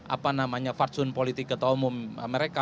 apa namanya fadsun politik ketahuan umum mereka